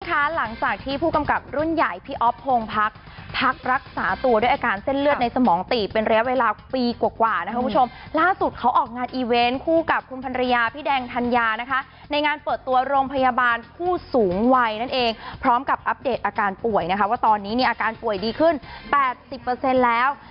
หลังจากที่ผู้กำกับรุ่นใหญ่พี่อ๊อฟพงพักพักรักษาตัวด้วยอาการเส้นเลือดในสมองตีบเป็นระยะเวลาปีกว่านะคะคุณผู้ชมล่าสุดเขาออกงานอีเวนต์คู่กับคุณพันรยาพี่แดงธัญญานะคะในงานเปิดตัวโรงพยาบาลผู้สูงวัยนั่นเองพร้อมกับอัปเดตอาการป่วยนะคะว่าตอนนี้เนี่ยอาการป่วยดีขึ้น๘๐แล้ว